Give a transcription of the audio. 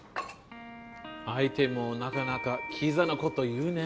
相手もなかなかキザなこと言うね。